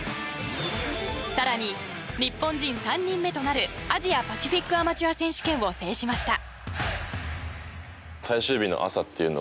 更に、日本人３人目となるアジアパシフィックアマチュア選手権を制しました。